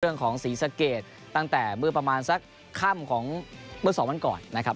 ศรีสะเกดตั้งแต่เมื่อประมาณสักค่ำของเมื่อสองวันก่อนนะครับ